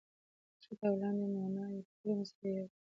د کښته او لاندي ماناوي تقريباً سره يو دي.